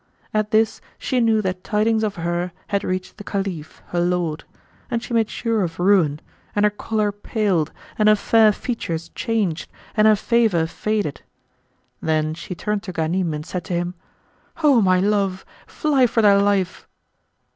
At this she knew that tidings of her had reached the Caliph, her lord; and she made sure of ruin, and her colour paled and her fair features changed and her favour faded. Then she turned to Ghanim and said to him, "O my love? fly for thy life!"